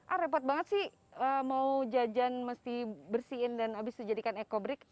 ah repot banget sih mau jajan mesti bersihin dan habis itu jadikan ekobrik